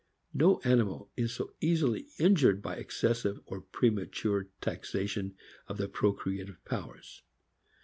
No animal is so easily in jured by excessive or premature taxation of the procreative powers.